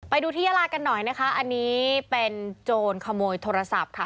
ไปดูที่ยาลากันหน่อยนะคะอันนี้เป็นโจรขโมยโทรศัพท์ค่ะ